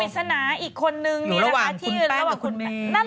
นุ่มปิดสนาอีกคนนึงนี่แหละค่ะที่อยู่ระหว่างคุณแป้งกับคุณเมย์